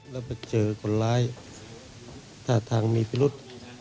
แล้วไปเจอคนร้ายท่าทางมีพิรุษ